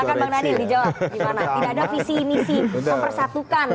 gimana tidak ada visi misi mempersatukan gitu